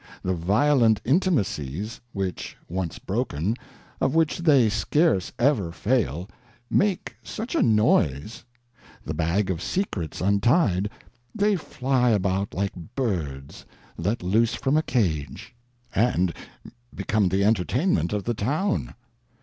The violent Intimacies, when once broken, of which they scarce ever fail, make such a Noise ; the Bag of Secrets untied, they fly about like Birds let loose from a Cage, and become the Enter tainment of the Town.